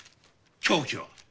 凶器は？